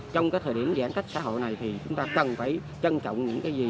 trong cái thời điểm giãn cách xã hội này thì chúng ta cần phải trân trọng những cái gì